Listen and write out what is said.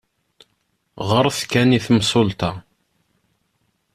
Ɣret kan i temsulta.